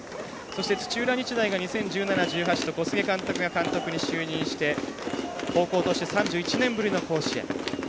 そして、土浦日大が２０１７、１８と小菅監督が監督に就任して高校として３１年ぶりの甲子園。